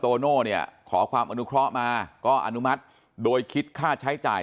โน่เนี่ยขอความอนุเคราะห์มาก็อนุมัติโดยคิดค่าใช้จ่าย